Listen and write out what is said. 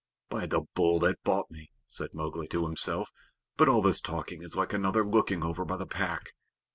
"By the Bull that bought me," said Mowgli to himself, "but all this talking is like another looking over by the Pack!